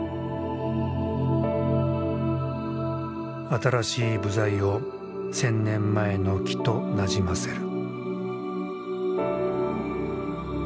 新しい部材を千年前の木となじませる。